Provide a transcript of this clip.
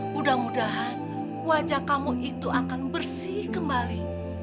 mudah mudahan wajah kamu itu akan bersih kembali